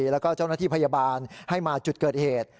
แล้วก็เจ้าหน้าที่พยาบาลให้มาจุดเกิดเหตุ